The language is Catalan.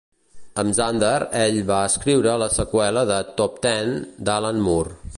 Amb Zander, ell va escriure la seqüela de "Top Ten" d'Alan Moore.